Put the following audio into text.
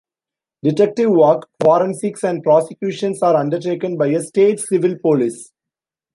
Detective work, forensics and prosecutions are undertaken by a state's Civil Police.